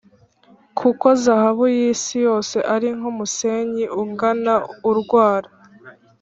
kuko zahabu y’isi yose ari nk’umusenyi ungana urwara,